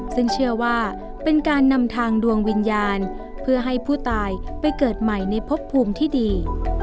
ซึ่งเชื่อว่าเป็นการนำทางดวงวิญญาณเพื่อให้ผู้ตายไปเกิดใหม่ในพบภูมิที่ดี